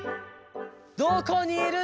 どこにいるの？